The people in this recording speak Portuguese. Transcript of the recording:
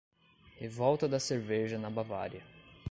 Revolta da Cerveja na Bavária